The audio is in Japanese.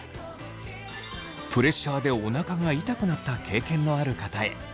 プレッシャーでお腹が痛くなった経験のある方へ。